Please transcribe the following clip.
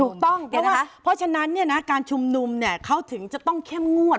ถูกต้องเพราะว่าเพราะฉะนั้นการชุมนุมเขาถึงจะต้องเข้มงวด